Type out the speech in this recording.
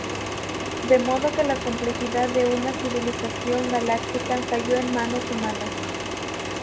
De modo que la complejidad de una civilización galáctica cayó en manos humanas.